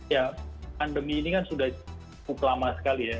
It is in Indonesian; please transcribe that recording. ya pandemi ini kan sudah cukup lama sekali ya